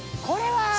これは！